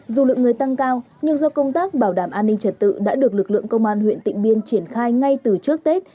dù lượng người tăng cao nhưng do công tác bảo đảm an ninh trật tự đã được lực lượng công an huyện tịnh biên triển khai ngay từ trước tết